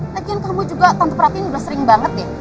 lagian kamu juga tante pratik ini udah sering banget ya